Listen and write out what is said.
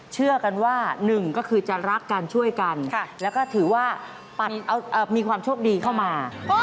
เชื่อกันว่าหนึ่งก็คือจะรักกันช่วยกันแล้วก็ถือว่ามีความโชคดีเข้ามา